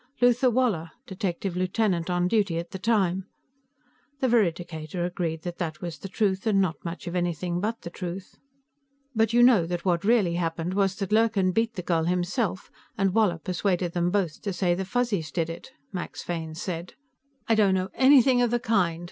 "Luther Woller. Detective lieutenant on duty at the time." The veridicator agreed that that was the truth and not much of anything but the truth. "But you know that what really happened was that Lurkin beat the girl himself, and Woller persuaded them both to say the Fuzzies did it," Max Fane said. "I don't know anything of the kind!"